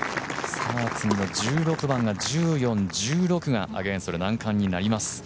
次の１６番が１４、１６がアゲンストで難関となります。